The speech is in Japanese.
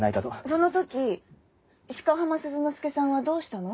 その時鹿浜鈴之介さんはどうしたの？